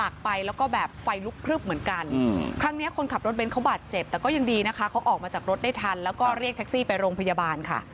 เขาออกมาจากรถได้ทันเรียกแท็กซี่ไปโรงพยาบาลค่ะ